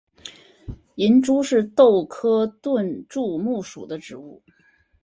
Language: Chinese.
银珠是豆科盾柱木属的植物。